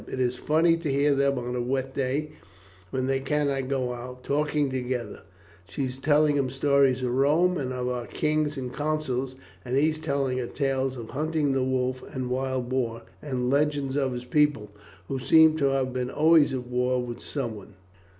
It is funny to hear them on a wet day, when they cannot go out, talking together she telling him stories of Rome and of our kings and consuls, and he telling her tales of hunting the wolf and wild boar, and legends of his people, who seem to have been always at war with someone."